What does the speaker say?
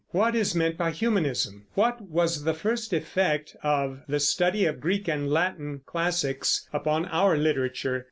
What is meant by Humanism? What was the first effect of the study of Greek and Latin classics upon our literature?